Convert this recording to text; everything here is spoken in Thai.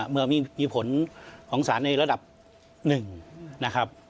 เมื่อมีผลของสารในระดับ๑นะครับ